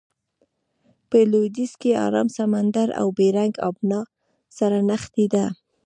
په لویدیځ کې ارام سمندر او بیرنګ آبنا سره نښتې ده.